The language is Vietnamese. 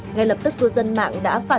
ngay lập tức cư dân mạng đã phát triển